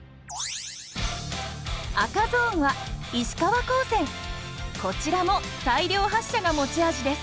赤ゾーンはこちらも大量発射が持ち味です。